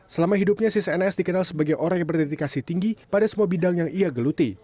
selama hidupnya si cns dikenal sebagai orang yang berdedikasi tinggi pada semua bidang yang ia geluti